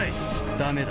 ダメだ。